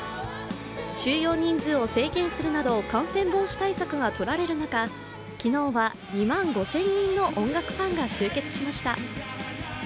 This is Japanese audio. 収容人数を制限するなど感染防止対策が取られる中、昨日は２万５０００人の音楽ファンが集結しました。